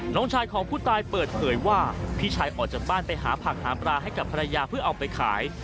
น้องชายของผู้ตายเปิดเผยว่าพี่ชายออกจากบ้านไปหาผักหาปลาให้กับภรรยาเพื่อเอาไปขาย